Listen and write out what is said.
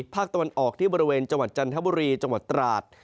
ภาคตะวันออกที่บริเวณจังหวัดจันทบุรีจังหวัดตราด